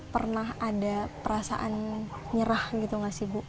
pernah ada perasaan nyerah gitu gak sih bu